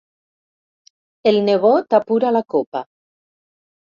El nebot apura la copa.